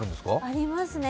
ありますね。